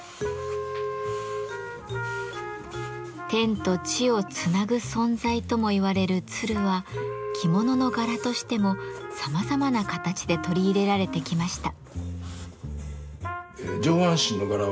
「天と地をつなぐ存在」とも言われる鶴は着物の柄としてもさまざまな形で取り入れられてきました。